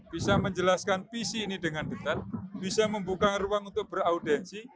bisa menjelaskan visi ini dengan ketat bisa membuka ruang untuk beraudensi